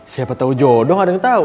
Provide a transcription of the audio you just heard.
siapa tau jodoh gak ada yang tau